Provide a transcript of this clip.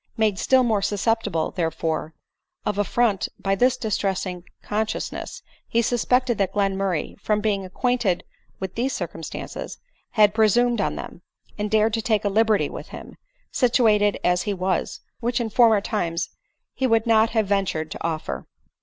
Made still more susceptible, therefore, of affront by this distressing con sciousness, he suspected that Glenmurray, from being acquainted with these circumstances, had presumed on them, and dared to take, a liberty with him, situated as he then was, which in former times he would not have ventured to offer.